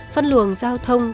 phân luồng giao thông